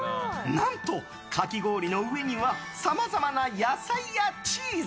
何と、かき氷の上にはさまざまな野菜やチーズ。